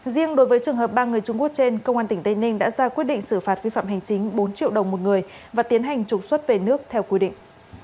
riêng đối với trường hợp ba người trung quốc trên công an tỉnh tây ninh đã ra quyết định xử phạt vi phạm hành chính bốn triệu đồng một người và tiến hành trục xuất về nước theo quy định